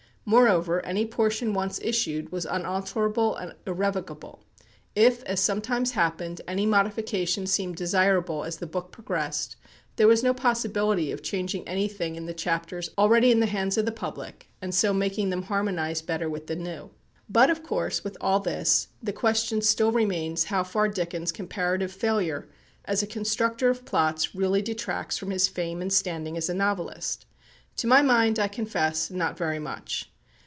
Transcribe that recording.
Moreover, any portion once issued was unalterable and irrevocable. If, as sometimes happened, any modification seemed desirable as the book progressed, there was no possibility of changing anything in the chapters already in the hands of the public, and so making them harmonize better with the new. But of course, with all this, the question still remains how far Dickens' comparative failure as a constructor of plots really detracts from his fame and standing as a novelist. To my mind, I confess, not very much.